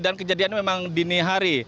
dan kejadian ini memang dini hari